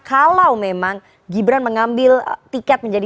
kalau memang gibran mengambil tiket menjadi